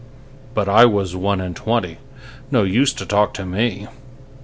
'But I was one and twenty, No use to talk to me.